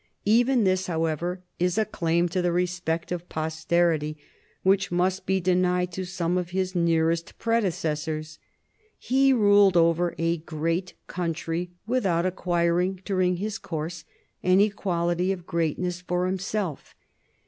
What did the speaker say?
Even this, however, is a claim to the respect of posterity which must be denied to some of his nearest predecessors. He ruled over a great country without acquiring during his course any quality of greatness for himself.